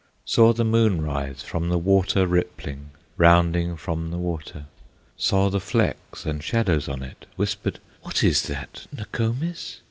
Saw the moon rise from the water Rippling, rounding from the water, Saw the flecks and shadows on it, Whispered, "What is that, Nokomis?"